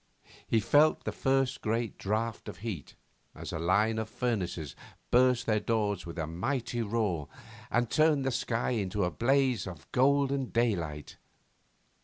He felt the first great draught of heat, as a line of furnaces burst their doors with a mighty roar and turned the sky into a blaze of golden daylight.